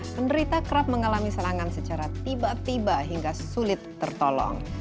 penderita kerap mengalami serangan secara tiba tiba hingga sulit tertolong